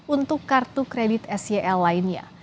untuk kartu kredit sel lainnya